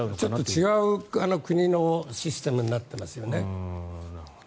違う国のシステムになってますよね。